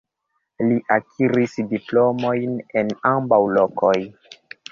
Li akiris diplomojn en ambaŭ lokoj.